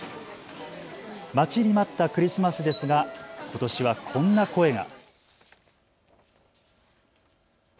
待ちに待ったクリスマスですがことしはこんな声が。